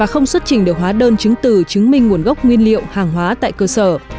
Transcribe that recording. không xuất trình được hóa đơn chứng từ chứng minh nguồn gốc nguyên liệu hàng hóa tại cơ sở